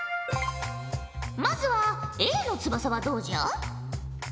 まずはＡの翼はどうじゃ？